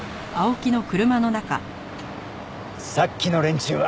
さっきの連中は？